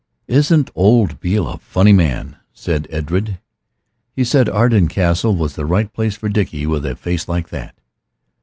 "Isn't old Beale a funny old man?" said Edred. "He said Arden Castle was the right place for Dickie, with a face like that.